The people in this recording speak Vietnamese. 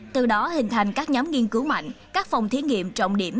từ đó hình thành các nhóm nghiên cứu mạnh các phòng thí nghiệm trọng điểm